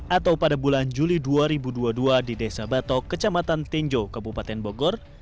atau pada bulan juli dua ribu dua puluh dua di desa batok kecamatan tinjo kabupaten bogor